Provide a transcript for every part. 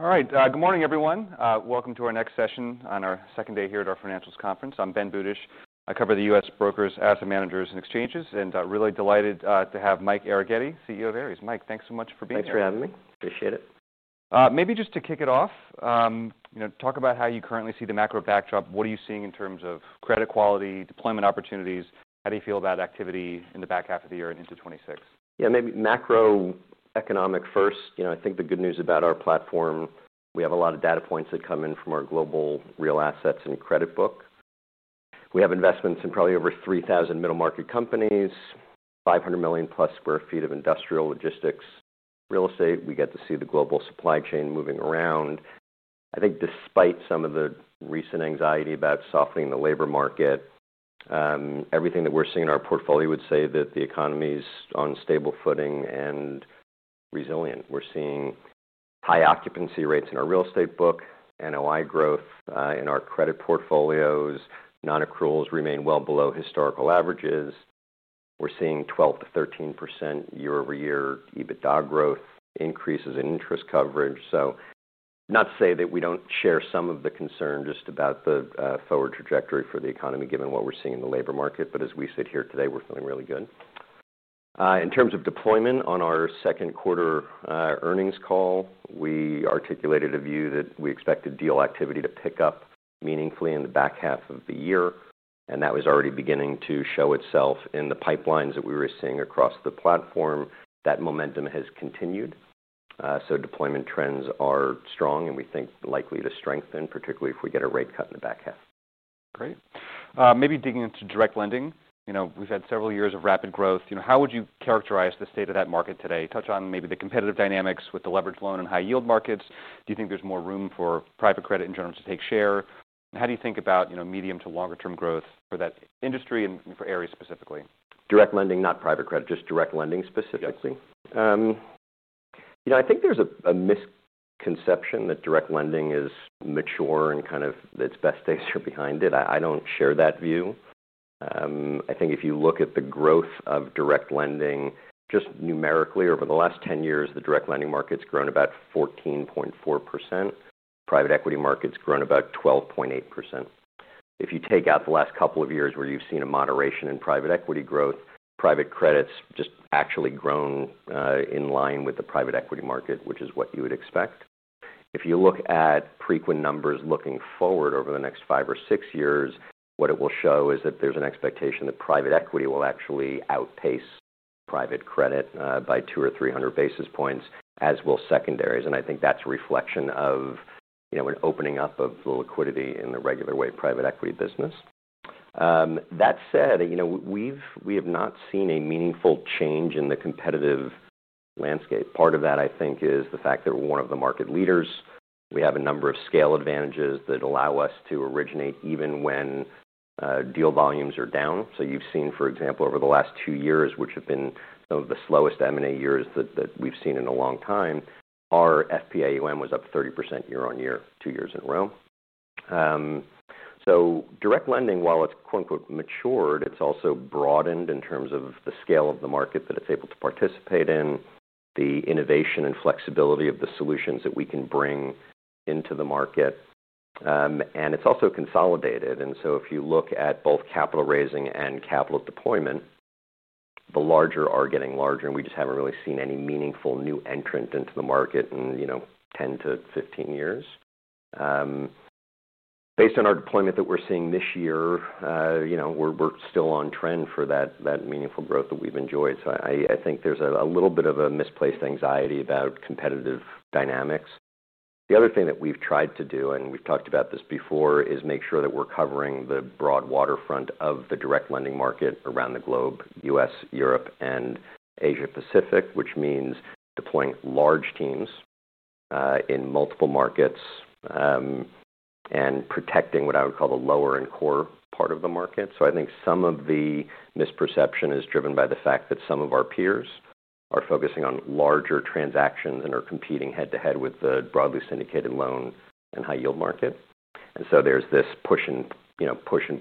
Alright, good morning everyone. Welcome to our next session on our second day here at our financials conference. I'm Ben Budish. I cover the U.S. brokers, asset managers, and exchanges, and really delighted to have Michael Arougheti, CEO of Ares Management Corporation. Mike, thanks so much for being here. Thanks for having me. Appreciate it. Maybe just to kick it off, you know, talk about how you currently see the macro backdrop. What are you seeing in terms of credit quality, deployment opportunities? How do you feel about activity in the back half of the year and into 2026? Yeah, maybe macroeconomic first. I think the good news about our platform, we have a lot of data points that come in from our global real assets and credit book. We have investments in probably over 3,000 middle market companies, $500 million plus square feet of industrial logistics, real estate. We get to see the global supply chain moving around. I think despite some of the recent anxiety about softening the labor market, everything that we're seeing in our portfolio would say that the economy's on stable footing and resilient. We're seeing high occupancy rates in our real estate book, NOI growth in our credit portfolios, non-accruals remain well below historical averages. We're seeing 12% to 13% year-over-year EBITDA growth, increases in interest coverage. Not to say that we don't share some of the concern just about the forward trajectory for the economy, given what we're seeing in the labor market, but as we sit here today, we're feeling really good. In terms of deployment on our second quarter earnings call, we articulated a view that we expect deal activity to pick up meaningfully in the back half of the year, and that was already beginning to show itself in the pipelines that we were seeing across the platform. That momentum has continued. Deployment trends are strong and we think likely to strengthen, particularly if we get a rate cut in the back half. Great. Maybe digging into direct lending. We've had several years of rapid growth. How would you characterize the state of that market today? Touch on maybe the competitive dynamics with the leveraged loan and high yield markets. Do you think there's more room for private credit in general to take share? How do you think about medium to longer term growth for that industry and for Ares specifically? Direct lending, not private credit, just direct lending specifically? You know, I think there's a misconception that direct lending is mature and kind of its best days are behind it. I don't share that view. I think if you look at the growth of direct lending, just numerically over the last 10 years, the direct lending market's grown about 14.4%. Private equity market's grown about 12.8%. If you take out the last couple of years where you've seen a moderation in private equity growth, private credit's just actually grown in line with the private equity market, which is what you would expect. If you look at pre-Q1 numbers looking forward over the next five or six years, what it will show is that there's an expectation that private equity will actually outpace private credit by 200 or 300 basis points, as will secondaries. I think that's a reflection of, you know, opening up of the liquidity in the regular way private equity business. That said, you know, we have not seen a meaningful change in the competitive landscape. Part of that, I think, is the fact that we're one of the market leaders. We have a number of scale advantages that allow us to originate even when deal volumes are down. You've seen, for example, over the last two years, which have been some of the slowest M&A years that we've seen in a long time, our FPAUM was up 30% year on year, two years in a row. Direct lending, while it's quote unquote matured, it's also broadened in terms of the scale of the market that it's able to participate in, the innovation and flexibility of the solutions that we can bring into the market, and it's also consolidated. If you look at both capital raising and capital deployment, the larger are getting larger, and we just haven't really seen any meaningful new entrant into the market in, you know, 10 to 15 years. Based on our deployment that we're seeing this year, you know, we're still on trend for that meaningful growth that we've enjoyed. I think there's a little bit of a misplaced anxiety about competitive dynamics. The other thing that we've tried to do, and we've talked about this before, is make sure that we're covering the broad waterfront of the direct lending market around the globe, the U.S., Europe, and Asia-Pacific, which means deploying large teams in multiple markets and protecting what I would call the lower and core part of the market. I think some of the misperception is driven by the fact that some of our peers are focusing on larger transactions and are competing head to head with the broadly syndicated loan and high yield market. There's this push and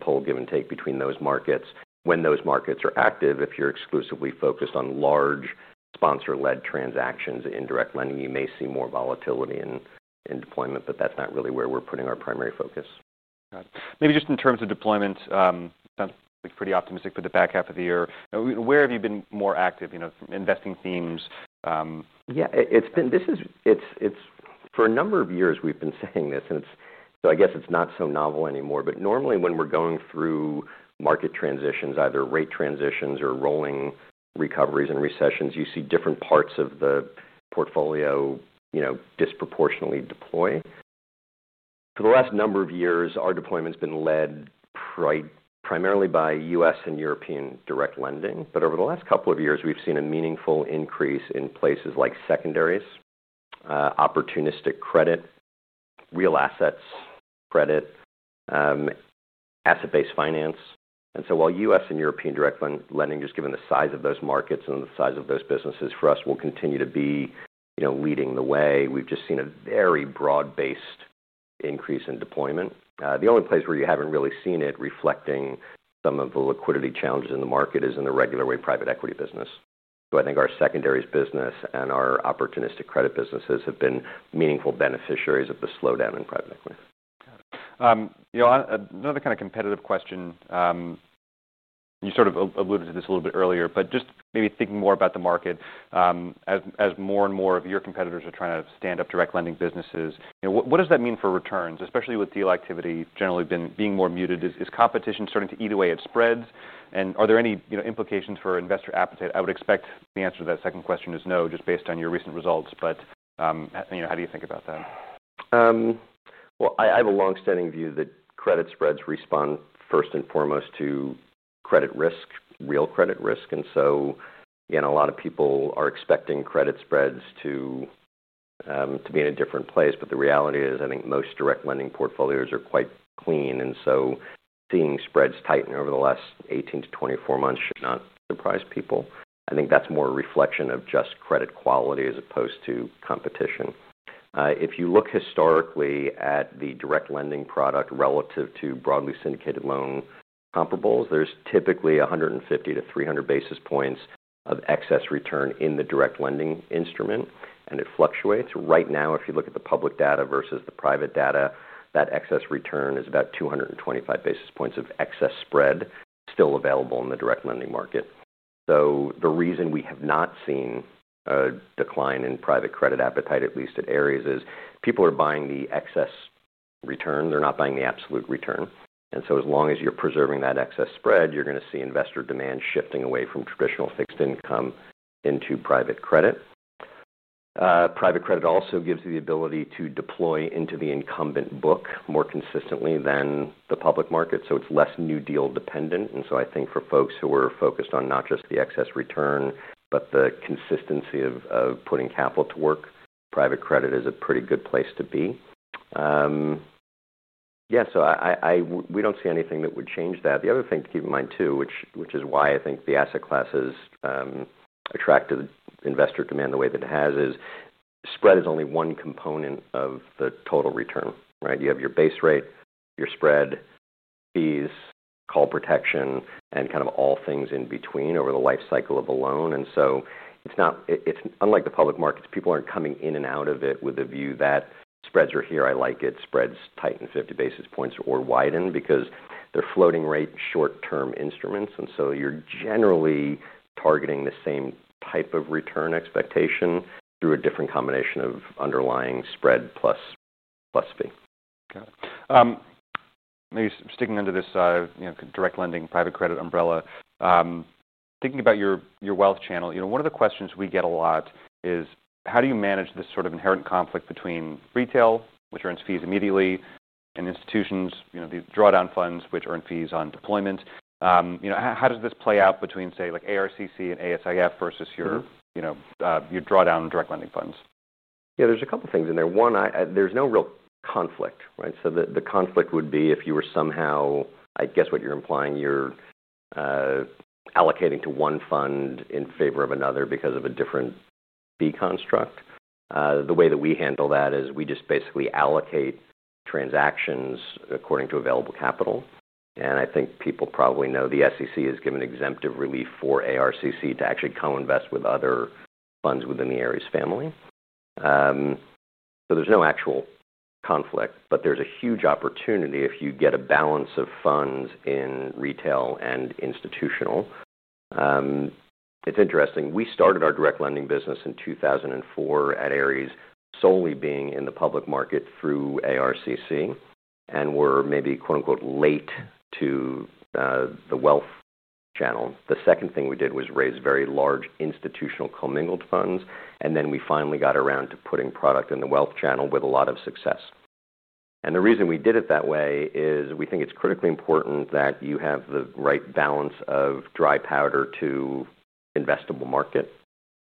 pull, give and take between those markets. When those markets are active, if you're exclusively focused on large sponsor-led transactions and in direct lending, you may see more volatility in deployment, but that's not really where we're putting our primary focus. Got it. Maybe just in terms of deployment, it sounds like pretty optimistic for the back half of the year. Where have you been more active, you know, investing themes? Yeah, it's been, this is, for a number of years we've been saying this, and it's not so novel anymore, but normally when we're going through market transitions, either rate transitions or rolling recoveries and recessions, you see different parts of the portfolio disproportionately deploy. For the last number of years, our deployment's been led primarily by U.S. and European direct lending, but over the last couple of years, we've seen a meaningful increase in places like secondaries, opportunistic credit, real assets credit, asset-based finance. While U.S. and European direct lending, just given the size of those markets and the size of those businesses for us, will continue to be leading the way, we've just seen a very broad-based increase in deployment. The only place where you haven't really seen it reflecting some of the liquidity challenges in the market is in the regular way private equity business. I think our secondaries business and our opportunistic credit businesses have been meaningful beneficiaries of the slowdown in private equities. You know, another kind of competitive question, you sort of alluded to this a little bit earlier, but just maybe thinking more about the market, as more and more of your competitors are trying to stand up direct lending businesses, you know, what does that mean for returns, especially with deal activity generally being more muted? Is competition starting to eat away at spreads? Are there any, you know, implications for investor appetite? I would expect the answer to that second question is no, just based on your recent results. You know, how do you think about that? I have a longstanding view that credit spreads respond first and foremost to credit risk, real credit risk. A lot of people are expecting credit spreads to be in a different place, but the reality is I think most direct lending portfolios are quite clean. Seeing spreads tighten over the last 18 to 24 months should not surprise people. I think that's more a reflection of just credit quality as opposed to competition. If you look historically at the direct lending product relative to broadly syndicated loan comparables, there's typically 150 to 300 basis points of excess return in the direct lending instrument, and it fluctuates. Right now, if you look at the public data versus the private data, that excess return is about 225 basis points of excess spread still available in the direct lending market. The reason we have not seen a decline in private credit appetite, at least at Ares, is people are buying the excess return. They're not buying the absolute return. As long as you're preserving that excess spread, you're going to see investor demand shifting away from traditional fixed income into private credit. Private credit also gives you the ability to deploy into the incumbent book more consistently than the public market. It's less new deal dependent. I think for folks who are focused on not just the excess return, but the consistency of putting capital to work, private credit is a pretty good place to be. We don't see anything that would change that. The other thing to keep in mind too, which is why I think the asset classes attract investor demand the way that it has, is spread is only one component of the total return, right? You have your base rate, your spread, fees, call protection, and kind of all things in between over the lifecycle of a loan. It's not, it's unlike the public markets. People aren't coming in and out of it with a view that spreads are here. I like it. Spreads tighten 50 basis points or widen because they're floating rate short-term instruments. You're generally targeting the same type of return expectation through a different combination of underlying spread plus fee. Got it. Maybe sticking under this, you know, direct lending, private credit umbrella, thinking about your wealth channel, one of the questions we get a lot is how do you manage this sort of inherent conflict between retail, which earns fees immediately, and institutions, the drawdown funds, which earn fees on deployment? How does this play out between, say, like ARCC and ASIF versus your drawdown direct lending funds? Yeah, there's a couple of things in there. One, there's no real conflict, right? The conflict would be if you were somehow, I guess what you're implying, you're allocating to one fund in favor of another because of a different fee construct. The way that we handle that is we just basically allocate transactions according to available capital. I think people probably know the SEC has given exemptive relief for ARCC to actually co-invest with other funds within the Ares family. There's no actual conflict, but there's a huge opportunity if you get a balance of funds in retail and institutional. It's interesting. We started our direct lending business in 2004 at Ares, solely being in the public market through ARCC, and we're maybe quote unquote late to the wealth channel. The second thing we did was raise very large institutional commingled funds, and then we finally got around to putting product in the wealth channel with a lot of success. The reason we did it that way is we think it's critically important that you have the right balance of dry powder to investable market.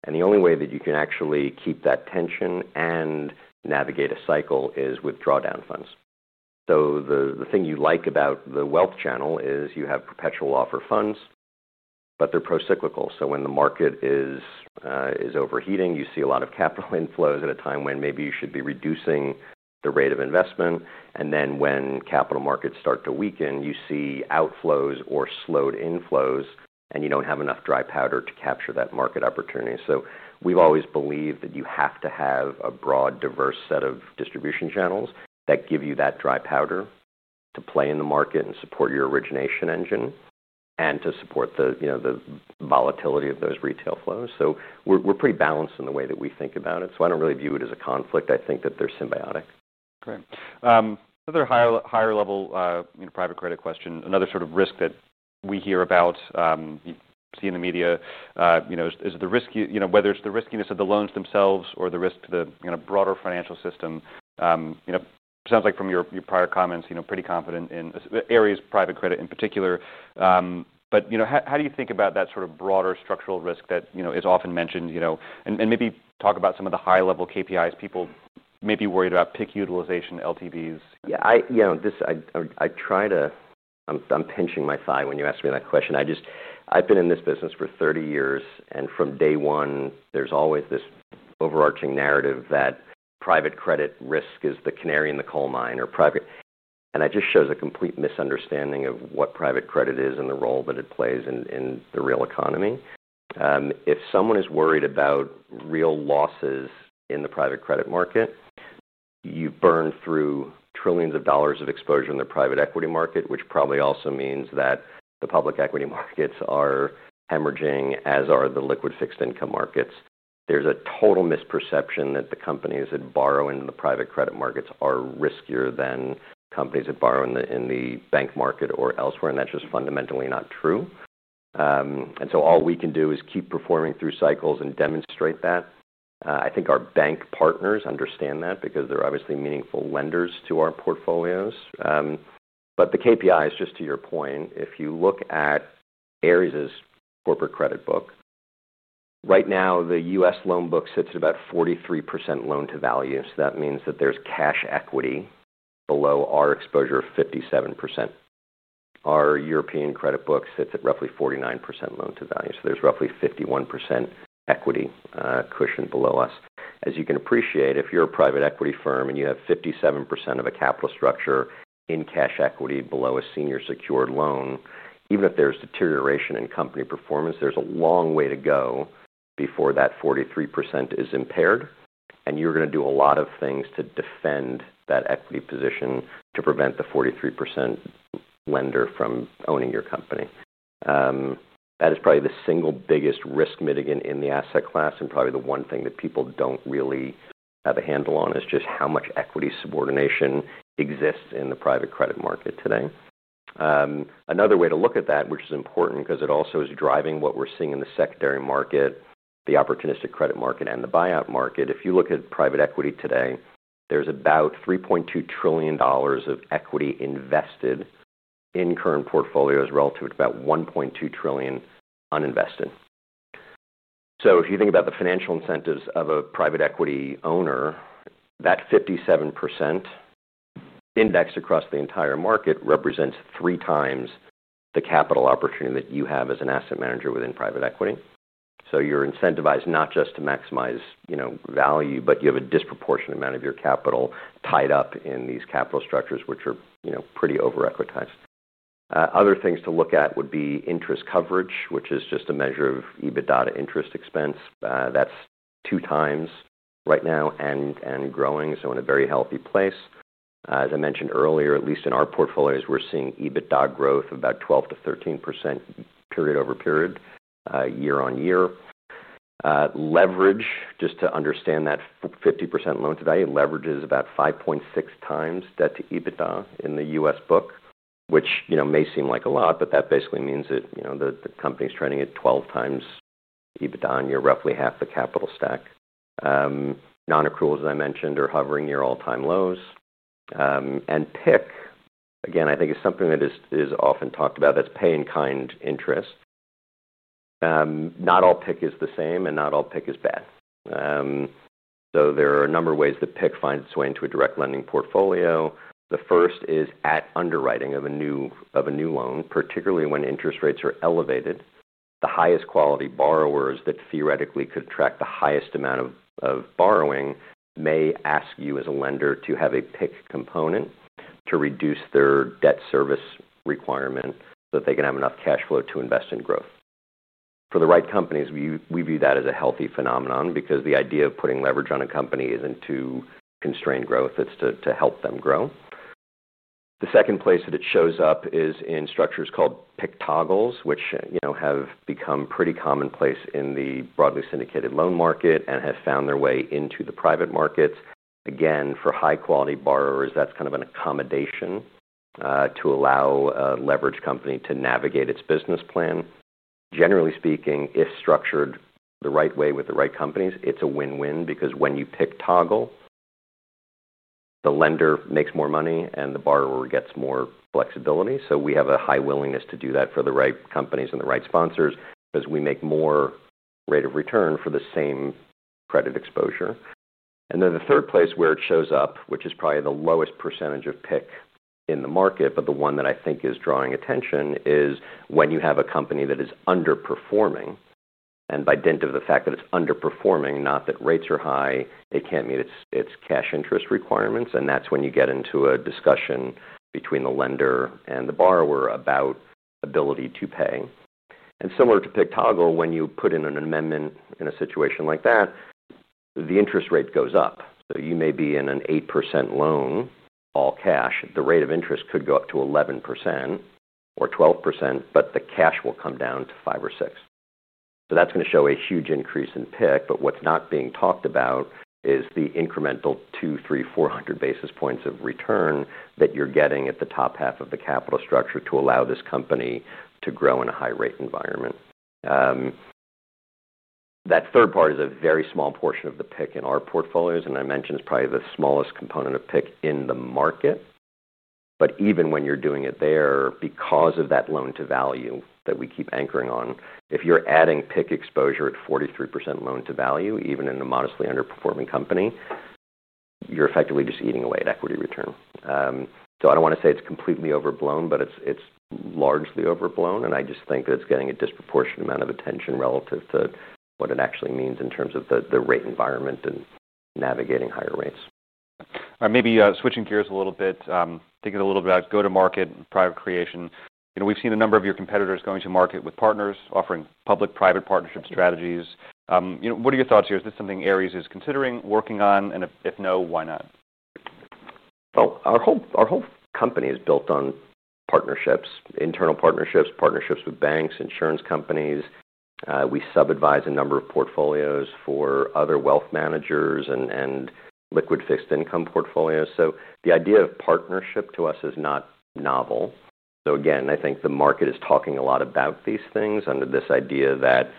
The only way that you can actually keep that tension and navigate a cycle is with drawdown funds. The thing you like about the wealth channel is you have perpetual offer funds, but they're pro-cyclical. When the market is overheating, you see a lot of capital inflows at a time when maybe you should be reducing the rate of investment. When capital markets start to weaken, you see outflows or slowed inflows, and you don't have enough dry powder to capture that market opportunity. We've always believed that you have to have a broad, diverse set of distribution channels that give you that dry powder to play in the market and support your origination engine and to support the volatility of those retail flows. We're pretty balanced in the way that we think about it. I don't really view it as a conflict. I think that they're symbiotic. Great. Another higher level, you know, private credit question, another sort of risk that we hear about, you see in the media, is the risk, whether it's the riskiness of the loans themselves or the risk to the kind of broader financial system. It sounds like from your prior comments, pretty confident in Ares private credit in particular. How do you think about that sort of broader structural risk that is often mentioned, and maybe talk about some of the high-level KPIs people may be worried about, PIK utilization, LTVs? Yeah, I try to, I'm pinching my thigh when you asked me that question. I've been in this business for 30 years, and from day one, there's always this overarching narrative that private credit risk is the canary in the coal mine or private, and that just shows a complete misunderstanding of what private credit is and the role that it plays in the real economy. If someone is worried about real losses in the private credit market, you burn through trillions of dollars of exposure in the private equity market, which probably also means that the public equity markets are hemorrhaging, as are the liquid fixed income markets. There's a total misperception that the companies that borrow into the private credit markets are riskier than companies that borrow in the bank market or elsewhere, and that's just fundamentally not true. All we can do is keep performing through cycles and demonstrate that. I think our bank partners understand that because they're obviously meaningful lenders to our portfolios. The KPIs, just to your point, if you look at Ares Management Corporation's corporate credit book, right now the U.S. loan book sits at about 43% loan to value. That means that there's cash equity below our exposure of 57%. Our European credit book sits at roughly 49% loan to value. There's roughly 51% equity cushion below us. As you can appreciate, if you're a private equity firm and you have 57% of a capital structure in cash equity below a senior secured loan, even if there's deterioration in company performance, there's a long way to go before that 43% is impaired. You're going to do a lot of things to defend that equity position to prevent the 43% lender from owning your company. That is probably the single biggest risk mitigant in the asset class and probably the one thing that people don't really have a handle on is just how much equity subordination exists in the private credit market today. Another way to look at that, which is important because it also is driving what we're seeing in the secondary market, the opportunistic credit market, and the buyout market. If you look at private equity today, there's about $3.2 trillion of equity invested in current portfolios relative to about $1.2 trillion uninvested. If you think about the financial incentives of a private equity owner, that 57% indexed across the entire market represents three times the capital opportunity that you have as an asset manager within private equity. You're incentivized not just to maximize value, but you have a disproportionate amount of your capital tied up in these capital structures, which are pretty over equitized. Other things to look at would be interest coverage, which is just a measure of EBITDA to interest expense. That's two times right now and growing, so in a very healthy place. As I mentioned earlier, at least in our portfolios, we're seeing EBITDA growth about 12% to 13% period over period, year on year. Leverage, just to understand that 50% loan to value, leverage is about 5.6 times debt to EBITDA in the U.S. book, which may seem like a lot, but that basically means that the company's trading at 12 times EBITDA and you're roughly half the capital stack. Non-accruals, as I mentioned, are hovering near all-time lows. PIC, again, I think is something that is often talked about, that's pay-in-kind interest. Not all PIC is the same and not all PIC is bad. There are a number of ways that PIC finds its way into a direct lending portfolio. The first is at underwriting of a new loan, particularly when interest rates are elevated. The highest quality borrowers that theoretically could track the highest amount of borrowing may ask you as a lender to have a PIC component to reduce their debt service requirement so that they can have enough cash flow to invest in growth. For the right companies, we view that as a healthy phenomenon because the idea of putting leverage on a company isn't to constrain growth, it's to help them grow. The second place that it shows up is in structures called PIC toggles, which have become pretty commonplace in the broadly syndicated loan market and have found their way into the private markets. For high-quality borrowers, that's kind of an accommodation to allow a leveraged company to navigate its business plan. Generally speaking, if structured the right way with the right companies, it's a win-win because when you PIC toggle, the lender makes more money and the borrower gets more flexibility. We have a high willingness to do that for the right companies and the right sponsors because we make more rate of return for the same credit exposure. The third place where it shows up, which is probably the lowest percentage of PIK in the market, but the one that I think is drawing attention, is when you have a company that is underperforming. By dint of the fact that it's underperforming, not that rates are high, it can't meet its cash interest requirements. That's when you get into a discussion between the lender and the borrower about ability to pay. Similar to PIK toggle, when you put in an amendment in a situation like that, the interest rate goes up. You may be in an 8% loan, all cash. The rate of interest could go up to 11% or 12%, but the cash will come down to 5% or 6%. That is going to show a huge increase in PIK, but what's not being talked about is the incremental 200, 300, 400 basis points of return that you're getting at the top half of the capital structure to allow this company to grow in a high-rate environment. That third part is a very small portion of the PIK in our portfolios, and I mentioned it's probably the smallest component of PIK in the market. Even when you're doing it there, because of that loan to value that we keep anchoring on, if you're adding PIK exposure at 43% loan to value, even in a modestly underperforming company, you're effectively just eating away at equity return. I don't want to say it's completely overblown, but it's largely overblown. I just think that it's getting a disproportionate amount of attention relative to what it actually means in terms of the rate environment and navigating higher rates. All right, maybe switching gears a little bit, thinking a little bit about go-to-market and private creation. We've seen a number of your competitors going to market with partners offering public-private partnership strategies. What are your thoughts here? Is this something Ares is considering working on? If no, why not? Our whole company is built on partnerships, internal partnerships, partnerships with banks, insurance companies. We sub-advise a number of portfolios for other wealth managers and liquid fixed income portfolios. The idea of partnership to us is not novel. I think the market is talking a lot about these things under this idea that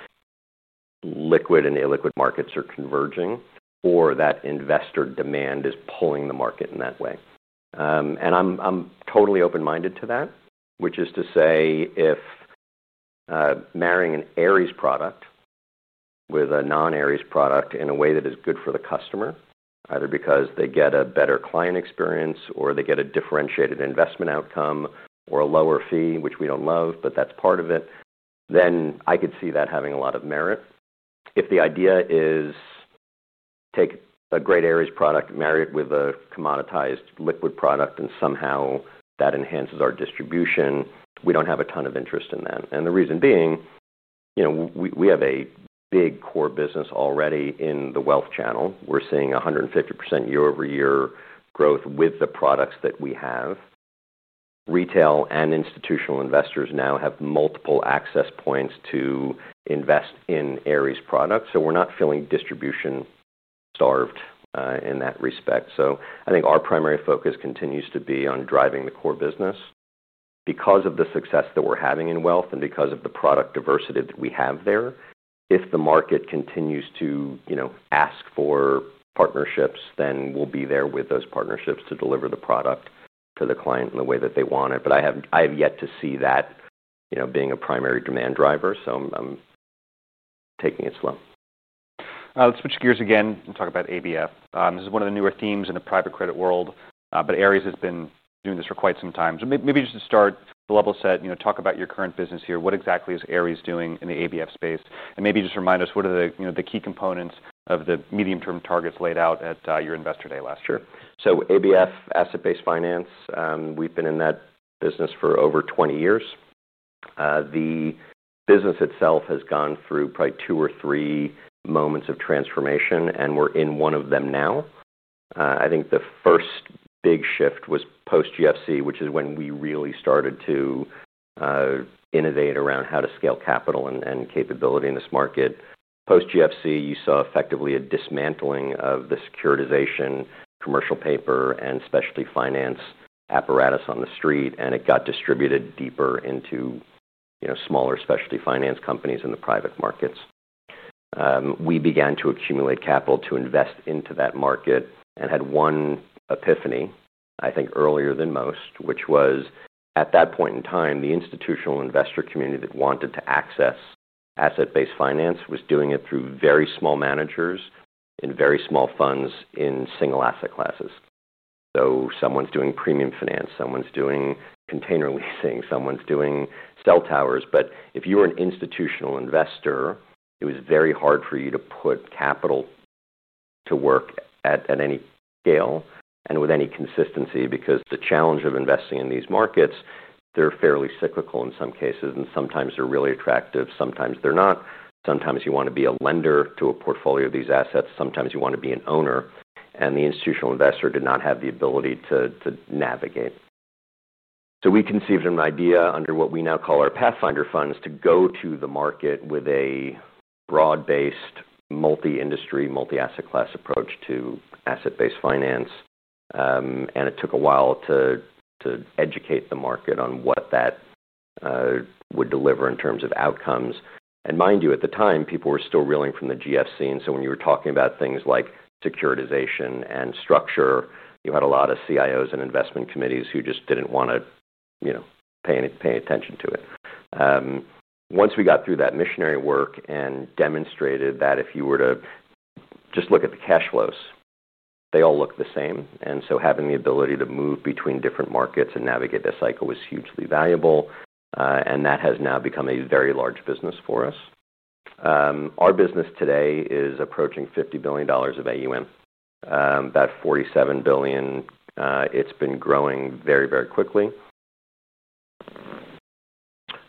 liquid and illiquid markets are converging or that investor demand is pulling the market in that way. I'm totally open-minded to that, which is to say if marrying an Ares product with a non-Ares product in a way that is good for the customer, either because they get a better client experience or they get a differentiated investment outcome or a lower fee, which we don't love, but that's part of it, then I could see that having a lot of merit. If the idea is take a great Ares product, marry it with a commoditized liquid product, and somehow that enhances our distribution, we don't have a ton of interest in that. The reason being, we have a big core business already in the wealth channel. We're seeing 150% year-over-year growth with the products that we have. Retail and institutional investors now have multiple access points to invest in Ares products. We're not feeling distribution-starved in that respect. I think our primary focus continues to be on driving the core business because of the success that we're having in wealth and because of the product diversity that we have there. If the market continues to ask for partnerships, then we'll be there with those partnerships to deliver the product to the client in the way that they want it. I have yet to see that being a primary demand driver. I'm taking it slow. Let's switch gears again and talk about ABF. This is one of the newer themes in the private credit world, but Ares has been doing this for quite some time. Maybe just to start, to level set, you know, talk about your current business here. What exactly is Ares doing in the ABF space? Maybe just remind us what are the key components of the medium-term targets laid out at your investor day last year? ABF, asset-based finance, we've been in that business for over 20 years. The business itself has gone through probably two or three moments of transformation, and we're in one of them now. I think the first big shift was post-GFC, which is when we really started to innovate around how to scale capital and capability in this market. Post-GFC, you saw effectively a dismantling of the securitization, commercial paper, and specialty finance apparatus on the street, and it got distributed deeper into smaller specialty finance companies in the private markets. We began to accumulate capital to invest into that market and had one epiphany, I think earlier than most, which was at that point in time, the institutional investor community that wanted to access asset-based finance was doing it through very small managers in very small funds in single asset classes. Someone's doing premium finance, someone's doing container leasing, someone's doing cell towers. If you were an institutional investor, it was very hard for you to put capital to work at any scale and with any consistency because the challenge of investing in these markets, they're fairly cyclical in some cases, and sometimes they're really attractive, sometimes they're not. Sometimes you want to be a lender to a portfolio of these assets, sometimes you want to be an owner, and the institutional investor did not have the ability to navigate. We conceived an idea under what we now call our Pathfinder funds to go to the market with a broad-based, multi-industry, multi-asset class approach to asset-based finance. It took a while to educate the market on what that would deliver in terms of outcomes. Mind you, at the time, people were still reeling from the GFC. When you were talking about things like securitization and structure, you had a lot of CIOs and investment committees who just didn't want to pay any attention to it. Once we got through that missionary work and demonstrated that if you were to just look at the cash flows, they all look the same. Having the ability to move between different markets and navigate that cycle was hugely valuable. That has now become a very large business for us. Our business today is approaching $50 billion of AUM, about $47 billion. It's been growing very, very quickly.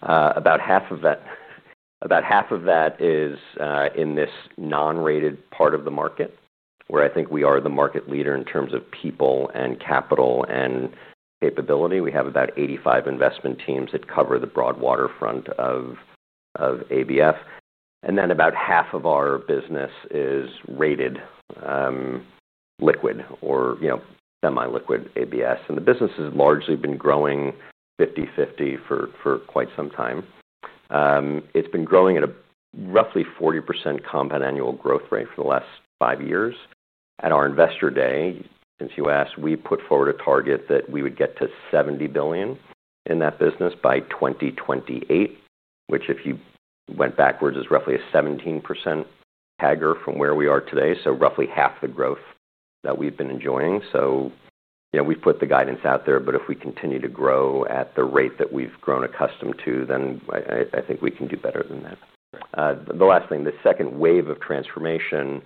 About half of that is in this non-rated part of the market, where I think we are the market leader in terms of people and capital and capability. We have about 85 investment teams that cover the broad waterfront of ABF. Then about half of our business is rated liquid or, you know, semi-liquid ABS. The business has largely been growing 50-50 for quite some time. It's been growing at a roughly 40% compound annual growth rate for the last five years. At our investor day, since you asked, we put forward a target that we would get to $70 billion in that business by 2028, which if you went backwards, is roughly a 17% CAGR from where we are today. Roughly half the growth that we've been enjoying. We've put the guidance out there, but if we continue to grow at the rate that we've grown accustomed to, then I think we can do better than that. The last thing, the second wave of transformation,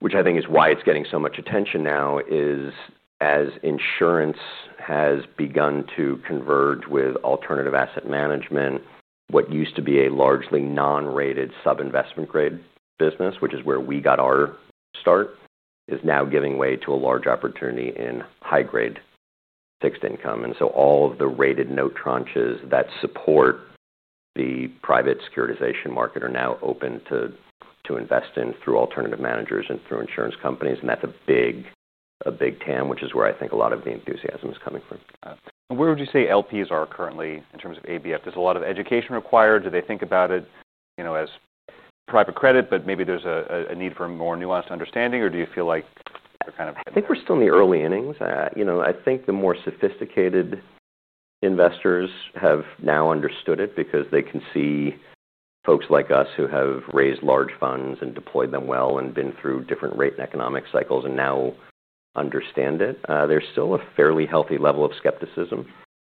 which I think is why it's getting so much attention now, is as insurance has begun to converge with alternative asset management, what used to be a largely non-rated sub-investment grade business, which is where we got our start, is now giving way to a large opportunity in high-grade fixed income. All of the rated note tranches that support the private securitization market are now open to invest in through alternative managers and through insurance companies. That's a big, a big TAM, which is where I think a lot of the enthusiasm is coming from. Where would you say LPs are currently in terms of ABF? There's a lot of education required. Do they think about it, you know, as private credit, but maybe there's a need for a more nuanced understanding, or do you feel like they're kind of? I think we're still in the early innings. I think the more sophisticated investors have now understood it because they can see folks like us who have raised large funds and deployed them well and been through different rate and economic cycles and now understand it. There's still a fairly healthy level of skepticism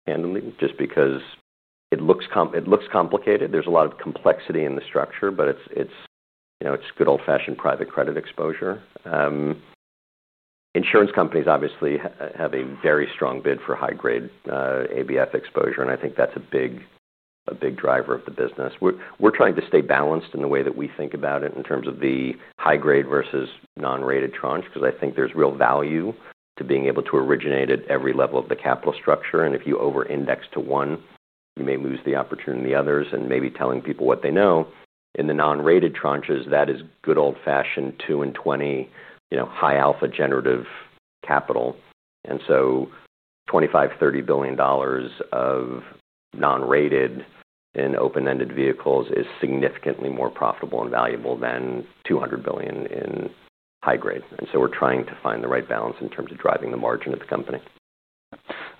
handling just because it looks complicated. There's a lot of complexity in the structure, but it's good old-fashioned private credit exposure. Insurance companies obviously have a very strong bid for high-grade ABF exposure, and I think that's a big, a big driver of the business. We're trying to stay balanced in the way that we think about it in terms of the high-grade versus non-rated tranche, because I think there's real value to being able to originate at every level of the capital structure. If you over-index to one, you may lose the opportunity in the others, and maybe telling people what they know. In the non-rated tranches, that is good old-fashioned 2 and 20, high alpha generative capital. $25 billion, $30 billion of non-rated in open-ended vehicles is significantly more profitable and valuable than $200 billion in high grade. We're trying to find the right balance in terms of driving the margin of the company.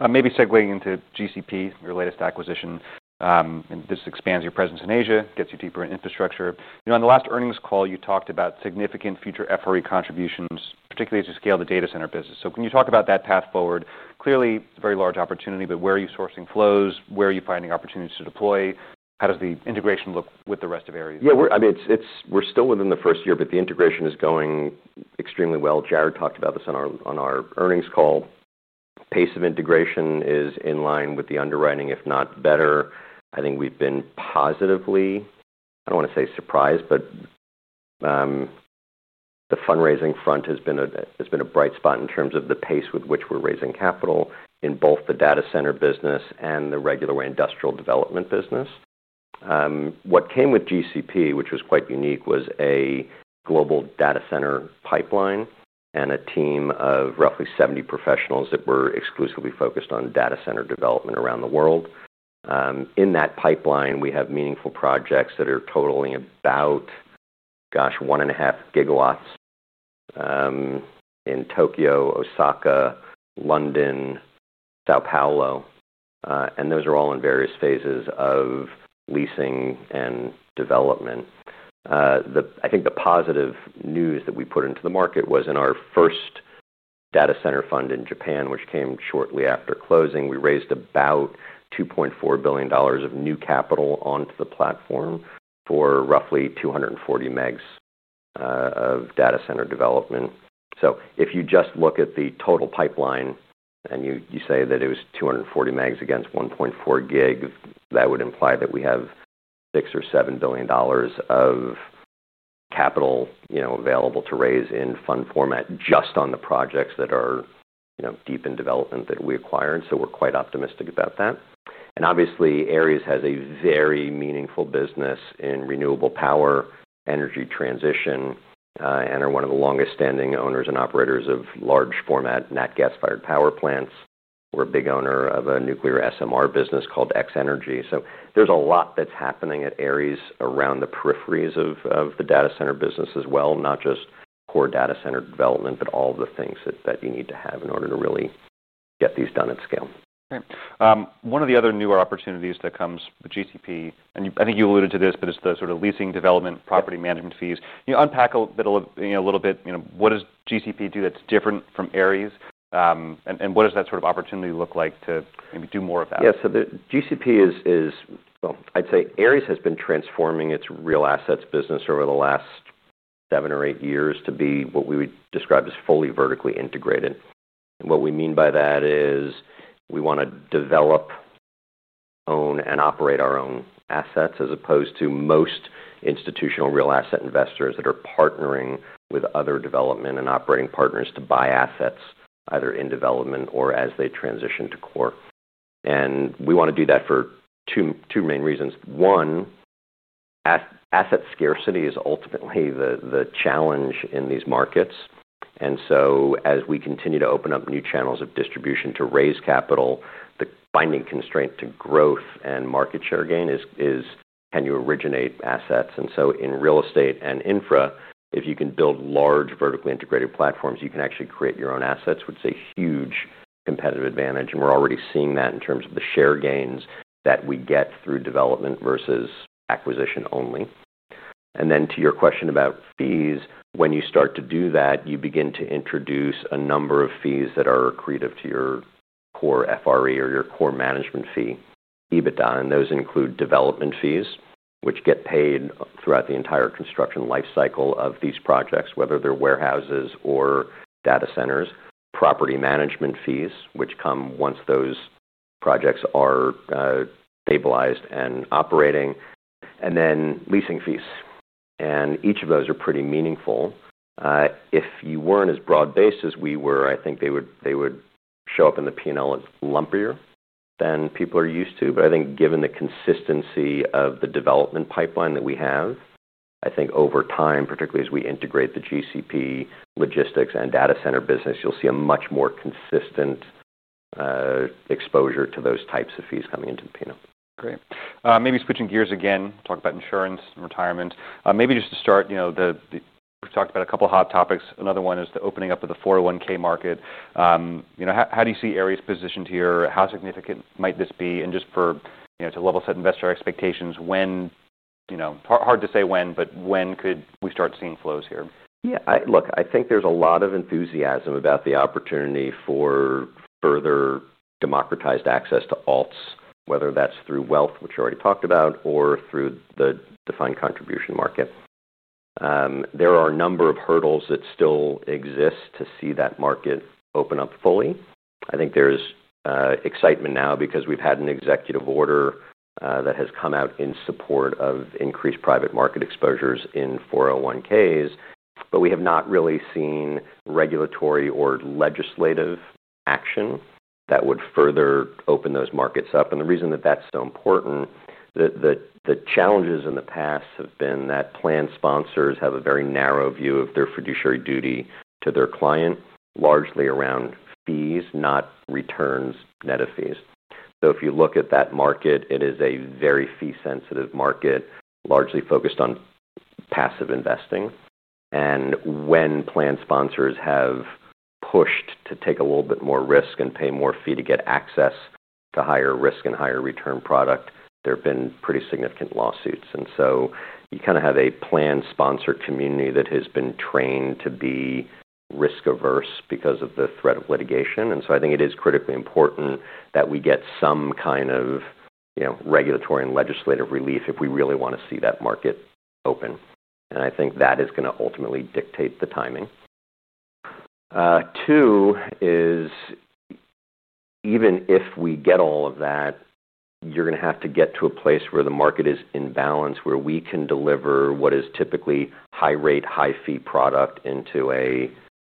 Maybe segueing into GCP, your latest acquisition, and this expands your presence in Asia, gets you deeper in infrastructure. On the last earnings call, you talked about significant future FRE contributions, particularly to scale the data center business. Can you talk about that path forward? Clearly, it's a very large opportunity, but where are you sourcing flows? Where are you finding opportunities to deploy? How does the integration look with the rest of Ares? Yeah, I mean, we're still within the first year, but the integration is going extremely well. Jarrod talked about this on our earnings call. Pace of integration is in line with the underwriting, if not better. I think we've been positively, I don't want to say surprised, but the fundraising front has been a bright spot in terms of the pace with which we're raising capital in both the data center business and the regular industrial development business. What came with GCP, which was quite unique, was a global data center pipeline and a team of roughly 70 professionals that were exclusively focused on data center development around the world. In that pipeline, we have meaningful projects that are totaling about, gosh, 1.5 gigawatts in Tokyo, Osaka, London, São Paulo, and those are all in various phases of leasing and development. I think the positive news that we put into the market was in our first data center fund in Japan, which came shortly after closing, we raised about $2.4 billion of new capital onto the platform for roughly 240 megawatts of data center development. If you just look at the total pipeline and you say that it was 240 megawatts against 1.5 gigawatts, that would imply that we have $6 billion or $7 billion of capital available to raise in fund format just on the projects that are deep in development that we acquire. We're quite optimistic about that. Obviously, Ares has a very meaningful business in renewable power, energy transition, and are one of the longest standing owners and operators of large format natural gas fired power plants. We're a big owner of a nuclear SMR business called X Energy. There's a lot that's happening at Ares around the peripheries of the data center business as well, not just core data center development, but all of the things that you need to have in order to really get these done at scale. One of the other newer opportunities that comes with GCP, and I think you alluded to this, is the sort of leasing, development, property management fees. Can you unpack a little bit, you know, what does GCP do that's different from Ares? What does that sort of opportunity look like to maybe do more of that? Yeah, so the GCP is, I'd say Ares has been transforming its real assets business over the last seven or eight years to be what we would describe as fully vertically integrated. What we mean by that is we want to develop, own, and operate our own assets as opposed to most institutional real asset investors that are partnering with other development and operating partners to buy assets either in development or as they transition to core. We want to do that for two main reasons. One, asset scarcity is ultimately the challenge in these markets. As we continue to open up new channels of distribution to raise capital, the binding constraint to growth and market share gain is, can you originate assets? In real estate and infra, if you can build large vertically integrated platforms, you can actually create your own assets, which is a huge competitive advantage. We're already seeing that in terms of the share gains that we get through development versus acquisition only. To your question about fees, when you start to do that, you begin to introduce a number of fees that are accretive to your core FRE or your core management fee, EBITDA. Those include development fees, which get paid throughout the entire construction lifecycle of these projects, whether they're warehouses or data centers, property management fees, which come once those projects are stabilized and operating, and then leasing fees. Each of those are pretty meaningful. If you weren't as broad-based as we were, I think they would show up in the P&L as lumpier than people are used to. I think given the consistency of the development pipeline that we have, over time, particularly as we integrate the GCP logistics and data center business, you'll see a much more consistent exposure to those types of fees coming into the P&L. Great. Maybe switching gears again, talk about insurance and retirement. Maybe just to start, you know, we've talked about a couple of hot topics. Another one is the opening up of the 401(k) market. You know, how do you see Ares positioned here? How significant might this be? And just for, you know, to level set investor expectations, when, you know, hard to say when, but when could we start seeing flows here? Yeah, look, I think there's a lot of enthusiasm about the opportunity for further democratized access to alts, whether that's through wealth, which you already talked about, or through the defined contribution market. There are a number of hurdles that still exist to see that market open up fully. I think there's excitement now because we've had an executive order that has come out in support of increased private market exposures in 401(k)s, but we have not really seen regulatory or legislative action that would further open those markets up. The reason that that's so important, the challenges in the past have been that plan sponsors have a very narrow view of their fiduciary duty to their client, largely around fees, not returns, net of fees. If you look at that market, it is a very fee-sensitive market, largely focused on passive investing. When plan sponsors have pushed to take a little bit more risk and pay more fee to get access to higher risk and higher return product, there have been pretty significant lawsuits. You kind of have a plan sponsor community that has been trained to be risk-averse because of the threat of litigation. I think it is critically important that we get some kind of, you know, regulatory and legislative relief if we really want to see that market open. I think that is going to ultimately dictate the timing. Two is, even if we get all of that, you're going to have to get to a place where the market is in balance, where we can deliver what is typically high-rate, high-fee product into a,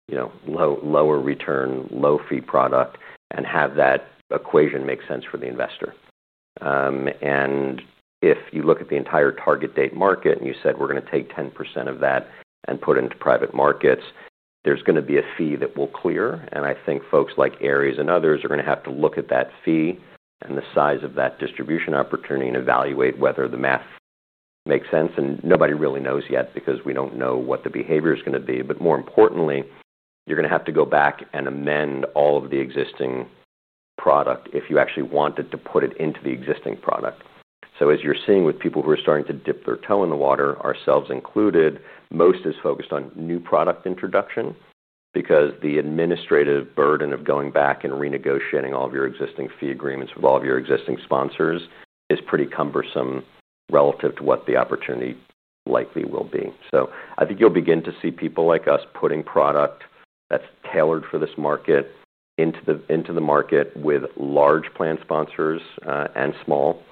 you know, lower return, low-fee product, and have that equation make sense for the investor. If you look at the entire target date market and you said we're going to take 10% of that and put it into private markets, there's going to be a fee that will clear. I think folks like Ares and others are going to have to look at that fee and the size of that distribution opportunity and evaluate whether the math makes sense. Nobody really knows yet because we don't know what the behavior is going to be. More importantly, you're going to have to go back and amend all of the existing product if you actually want to put it into the existing product. As you're seeing with people who are starting to dip their toe in the water, ourselves included, most is focused on new product introduction because the administrative burden of going back and renegotiating all of your existing fee agreements with all of your existing sponsors is pretty cumbersome relative to what the opportunity likely will be. I think you'll begin to see people like us putting product that's tailored for this market into the market with large plan sponsors and small.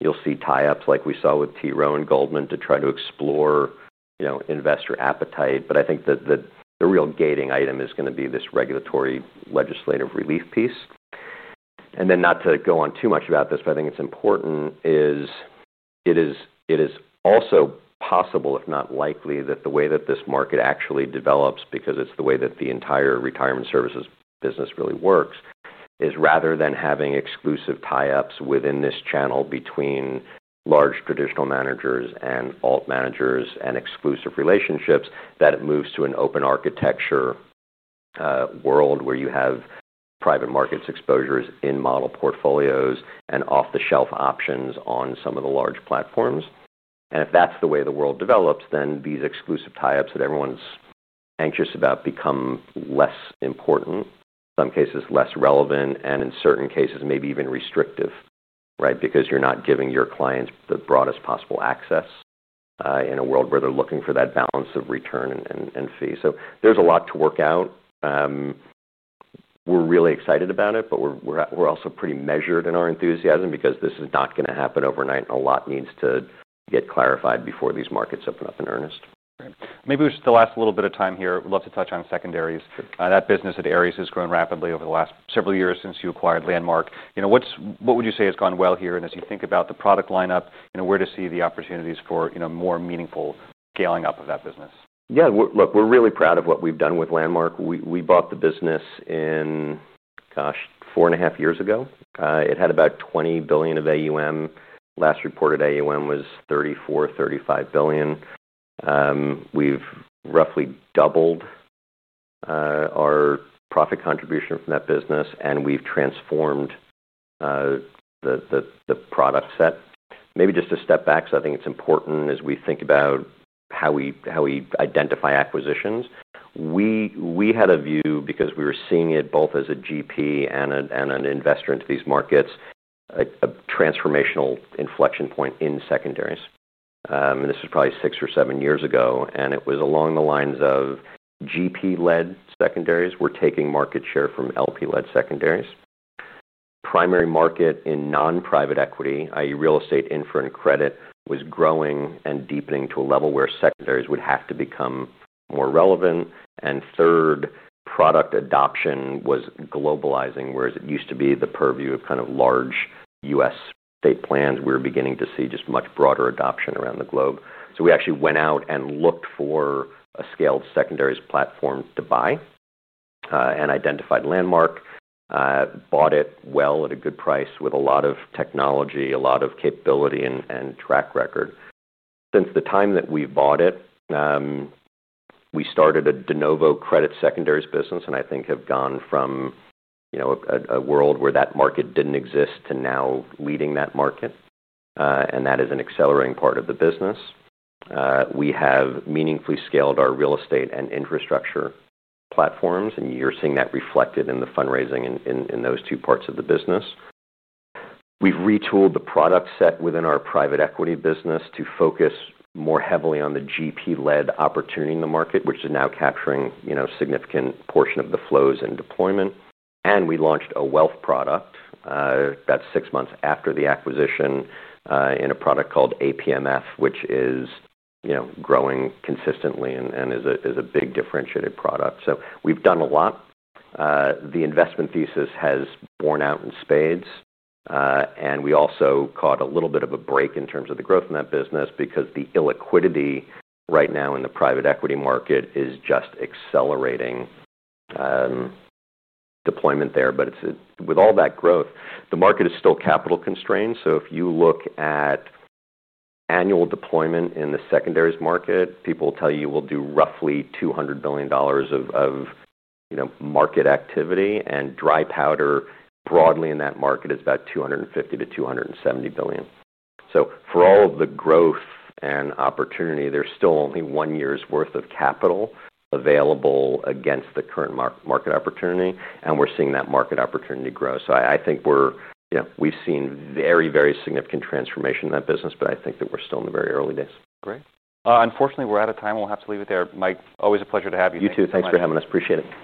You'll see tie-ups like we saw with T. Rowe and Goldman to try to explore, you know, investor appetite. I think that the real gating item is going to be this regulatory legislative relief piece. I think it's important, it is also possible, if not likely, that the way that this market actually develops, because it's the way that the entire retirement services business really works, is rather than having exclusive tie-ups within this channel between large traditional managers and alt managers and exclusive relationships, that it moves to an open architecture world where you have private markets exposures in model portfolios and off-the-shelf options on some of the large platforms. If that's the way the world develops, then these exclusive tie-ups that everyone's anxious about become less important, in some cases less relevant, and in certain cases maybe even restrictive, right? Because you're not giving your clients the broadest possible access in a world where they're looking for that balance of return and fee. There's a lot to work out. We're really excited about it, but we're also pretty measured in our enthusiasm because this is not going to happen overnight, and a lot needs to get clarified before these markets open up in earnest. Maybe we should still ask a little bit of time here. I'd love to touch on secondaries. That business at Ares has grown rapidly over the last several years since you acquired Landmark. You know, what would you say has gone well here? As you think about the product lineup, you know, where do you see the opportunities for more meaningful scaling up of that business? Yeah, look, we're really proud of what we've done with Landmark. We bought the business in, gosh, four and a half years ago. It had about $20 billion of AUM. Last reported AUM was $34, $35 billion. We've roughly doubled our profit contribution from that business, and we've transformed the product set. Maybe just to step back, because I think it's important as we think about how we identify acquisitions. We had a view because we were seeing it both as a GP and an investor into these markets, a transformational inflection point in secondaries. This was probably six or seven years ago, and it was along the lines of GP-led secondaries were taking market share from LP-led secondaries. Primary market in non-private equity, i.e., real estate, infrastructure, and credit was growing and deepening to a level where secondaries would have to become more relevant. Third, product adoption was globalizing, whereas it used to be the purview of kind of large U.S. state plans. We were beginning to see just much broader adoption around the globe. We actually went out and looked for a scaled secondaries platform to buy and identified Landmark, bought it well at a good price with a lot of technology, a lot of capability, and track record. Since the time that we bought it, we started a de novo credit secondaries business, and I think have gone from a world where that market didn't exist to now leading that market. That is an accelerating part of the business. We have meaningfully scaled our real estate and infrastructure platforms, and you're seeing that reflected in the fundraising in those two parts of the business. We've retooled the product set within our private equity business to focus more heavily on the GP-led opportunity in the market, which is now capturing a significant portion of the flows and deployment. We launched a wealth product that's six months after the acquisition in a product called APMF, which is growing consistently and is a big differentiated product. We've done a lot. The investment thesis has borne out in spades, and we also caught a little bit of a break in terms of the growth in that business because the illiquidity right now in the private equity market is just accelerating deployment there. With all that growth, the market is still capital constrained. If you look at annual deployment in the secondaries market, people will tell you we'll do roughly $200 billion of market activity, and dry powder broadly in that market is about $250 to $270 billion. For all of the growth and opportunity, there's still only one year's worth of capital available against the current market opportunity, and we're seeing that market opportunity grow. I think we've seen very, very significant transformation in that business, but I think that we're still in the very early days. Great. Unfortunately, we're out of time. We'll have to leave it there. Mike, always a pleasure to have you. You too. Thanks for having us. Appreciate it.